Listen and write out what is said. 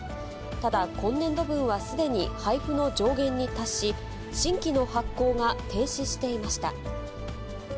ただ今年度分はすでに配布の上限に達し、新規の発行が停止していました。